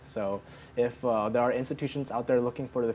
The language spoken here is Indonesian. jadi jika ada institusi di luar sana yang mencari